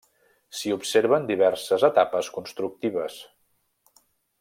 S'hi observen diverses etapes constructives.